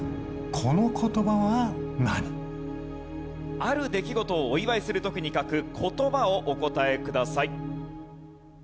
ある出来事をお祝いする時に書く言葉をお答えください。